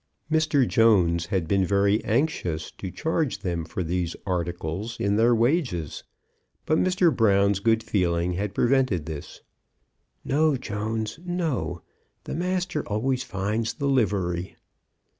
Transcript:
Mr. Jones had been very anxious to charge them for these articles in their wages, but Mr. Brown's good feeling had prevented this. "No, Jones, no; the master always finds the livery."